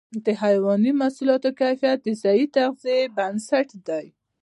د حيواني محصولاتو کیفیت د صحي تغذیې بنسټ دی.